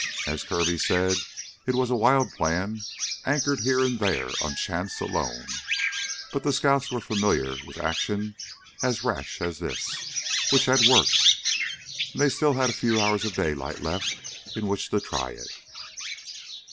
As Kirby said, it was a wild plan anchored here and there on chance alone. But the scouts were familiar with action as rash as this, which had worked. And they still had a few hours of daylight left in which to try it.